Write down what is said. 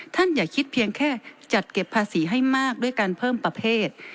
อย่าคิดเพียงแค่จัดเก็บภาษีให้มากด้วยการเพิ่มประเภท